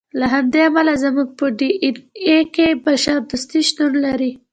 له همدې امله زموږ په ډي اېن اې کې بشر دوستي شتون لري.